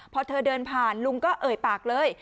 พอเธอเดินผ่านลุงก็เอ่ยปากเลย